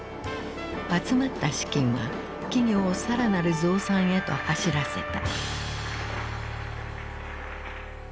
集まった資金は企業を更なる増産へと走らせた。